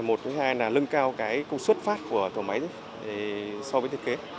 một thứ hai là lưng cao công suất phát của tổ máy so với thiết kế